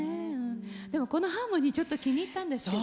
でもこのハーモニーちょっと気に入ったんですけど。